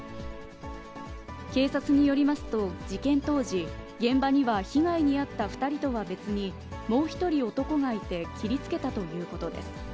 警察によりますと、事件当時、現場には被害に遭った２人とは別に、もう１人男がいて、切りつけたということです。